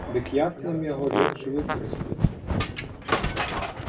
Дык як нам яго лепш выкарыстаць?